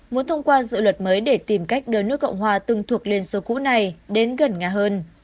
muốn thông qua dự luật mới để tìm cách đưa nước cộng hòa từng thuộc liên xô cũ này đến gần nhà hơn